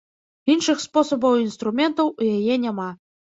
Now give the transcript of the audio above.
Іншых спосабаў і інструментаў у яе няма.